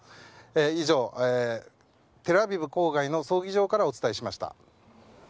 以上、テルアビブ郊外の葬儀場からお伝えしました。